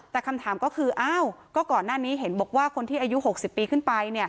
แต่คำถามก็คืออ้าวก็ก่อนหน้านี้เห็นบอกว่าคนที่อายุ๖๐ปีขึ้นไป